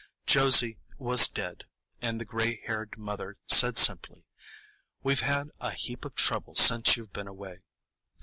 Josie was dead, and the gray haired mother said simply, "We've had a heap of trouble since you've been away."